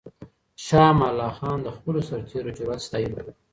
شاه امان الله خان د خپلو سرتېرو جرئت ستایلو.